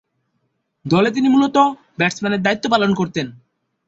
দলে তিনি মূলতঃ ব্যাটসম্যানের দায়িত্ব পালন করতেন।